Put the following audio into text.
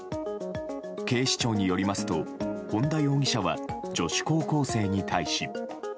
警視庁によりますと本田容疑者は女子高校生に対し。